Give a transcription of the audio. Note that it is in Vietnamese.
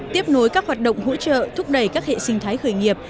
tiếp nối các hoạt động hỗ trợ thúc đẩy các hệ sinh thái khởi nghiệp